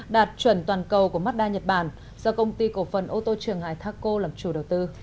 đạt chuẩn toàn cầu của mazda nhật bản do công ty cổ phần ô tô trường hải taco làm chủ đầu tư